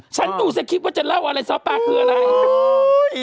ฉันดูเสร็จคลิปว่าจะเล่าอะไรซะป่ะคืออะไร